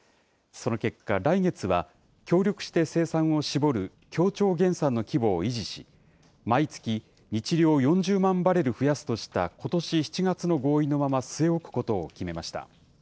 その結果、来月は協力して生産を絞る協調減産の規模を維持し、毎月、日量４０万バレル増やすとしたことし７月の合意のまま据え置くことを決めました。